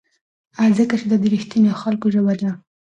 ځکه چې دا د رښتینو خلکو ژبه ده.